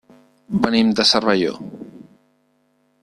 Venim de Cervelló.